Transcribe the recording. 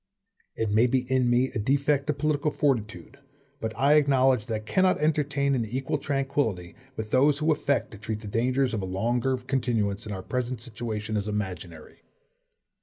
It may be in me a defect of political fortitude, but I acknowledge that I cannot entertain an equal tranquillity with those who affect to treat the dangers of a longer continuance in our present situation as imaginary.